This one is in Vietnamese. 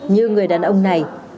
như người đàn ông này